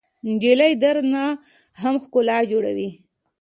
نجلۍ له درد نه هم ښکلا جوړوي.